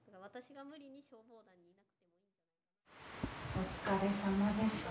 お疲れさまでした。